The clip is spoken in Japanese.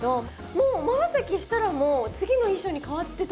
もうまばたきしたらもう次の衣装に替わってたので。